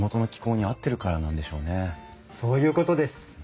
そういうことです。